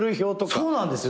そうなんですよ。